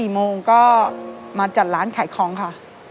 ๔โมงก็มาจัดร้านขายของค่ะ